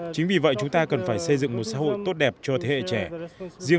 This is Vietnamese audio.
chính vì vậy chúng ta cần phải xây dựng một xã hội tốt đẹp cho thế hệ trẻ